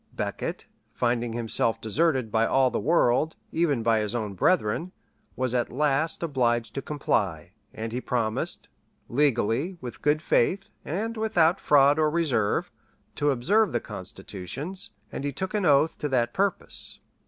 Becket, finding himself deserted by all the world, even by his own brethren, was at last obliged to comply; and he promised, "legally, with good faith, and without fraud or reserve," to observe the constitutions; and he took an oath to that purpose.